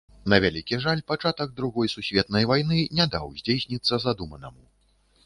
На вялікі жаль, пачатак другой сусветнай вайны не даў здзейсніцца задуманаму.